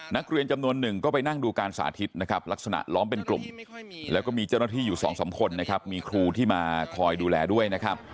นักเรียนจำนวนหนึ่งก็ไปนั่งดูการสาธิตนะครับลักษณะล้อมเป็นกลุ่มแล้วก็มีเจ้าหน้าที่อยู่สองสามคนนะครับมีครูที่มาคอยดูแลด้วยนะครับ